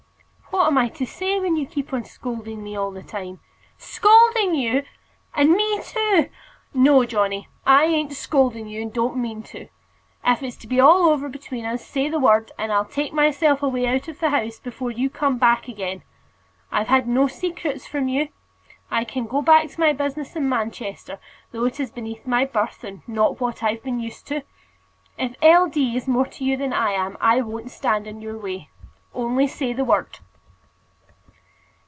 "What am I to say, when you keep on scolding me all the time?" "Scolding you! And me too! No, Johnny, I ain't scolding you, and don't mean to. If it's to be all over between us, say the word, and I'll take myself away out of the house before you come back again. I've had no secrets from you. I can go back to my business in Manchester, though it is beneath my birth, and not what I've been used to. If L. D. is more to you than I am, I won't stand in your way. Only say the word."